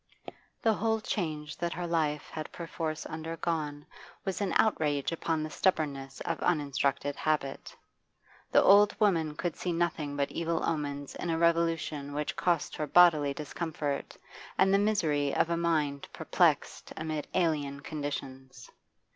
The whole change that her life had perforce undergone was an outrage upon the stubbornness of uninstructed habit; the old woman could see nothing but evil omens in a revolution which cost her bodily discomfort and the misery of a mind perplexed amid alien conditions.